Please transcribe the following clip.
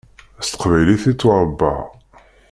S teqbaylit i ttwaṛebbaɣ.